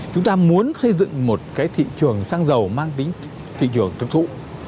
chúng ta muốn xây dựng một cái thị trường xăng dầu mang tính thị trường thực thụ